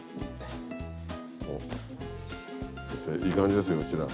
先生いい感じですようちら。